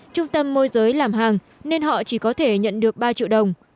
trung tâm môi giới làm hàng nên họ chỉ có thể nhận được ba triệu đồng